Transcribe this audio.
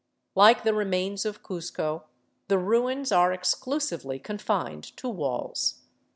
Like the remains of Cuzco, the ruins are exclusively confined to walls.